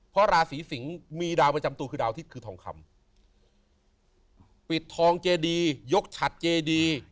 เพราะราศีสิงศ์มีดาวประจำตัวคือดาวอาทิตย์คือทองคำปิดทองเจดียกฉัดเจดี